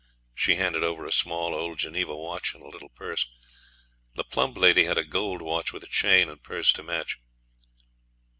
She handed over a small old Geneva watch and a little purse. The plump lady had a gold watch with a chain and purse to match.